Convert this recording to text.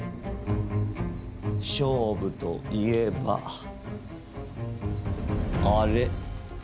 勝負といえばあれ。